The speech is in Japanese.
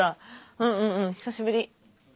うんうん久しぶり。